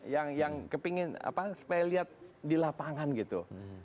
yang kepingin apa supaya lihat di lapangan gitu